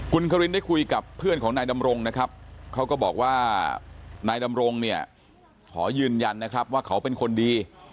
คุณครินได้คุยกับเพื่อนของนายดำรงนะครับเขาก็บอกว่านายดำรงเนี่ยขอยืนยันนะครับว่าเขาเป็นคนดี